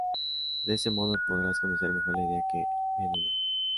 De ese modo podrás conocer mejor la idea que me anima